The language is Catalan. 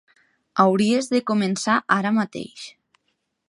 Hauries de començar ara mateix.